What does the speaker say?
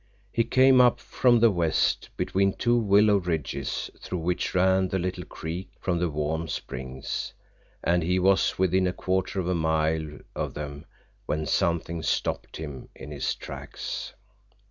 He came up from the west, between two willow ridges through which ran the little creek from the warm springs, and he was within a quarter of a mile of them when something stopped him in his tracks.